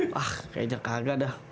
wah kayaknya kagak dah